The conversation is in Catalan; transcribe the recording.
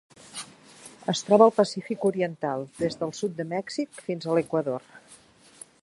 Es troba al Pacífic oriental: des del sud de Mèxic fins a l'Equador.